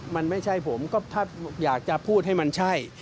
มันไม่ใช่ผมก็ถ้าอยากจะพูดให้มันใช่